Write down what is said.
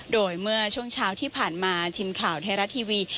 โดยเมื่อช่วงเช้าที่ผ่านมาทีมข่าวไทยรัฐทีวี